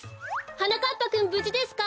はなかっぱくんぶじですか？